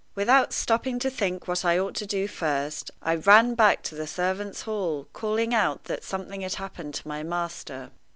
Without stopping to think what I ought to do first, I ran back to the servants' hall, calling out that something had happened to my master.